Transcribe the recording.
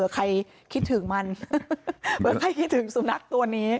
ใครคิดถึงมันเผื่อใครคิดถึงสุนัขตัวนี้